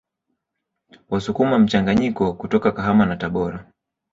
Wasukuma mchanganyiko kutoka Kahama na Tabora